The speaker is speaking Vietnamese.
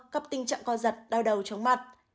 gặp tình trạng co giật đau đầu trống mặt